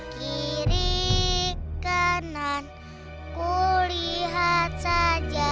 kiri kanan kulihat saja